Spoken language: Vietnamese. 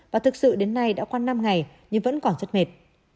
và thực sự đến nay đã qua năm ngày nhưng vẫn còn rất mệt